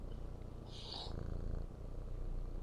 তবে পুরো বিষয়টিই একটি আইনি প্রক্রিয়ার মধ্য দিয়ে সম্পন্ন করতে হবে।